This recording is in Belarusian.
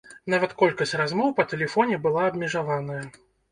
Нават колькасць размоў па тэлефоне была абмежаваная.